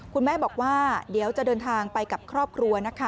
คุณแม่บอกว่าเดี๋ยวจะเดินทางไปกับครอบครัวนะคะ